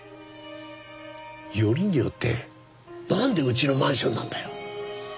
よりによってなんでうちのマンションなんだよ。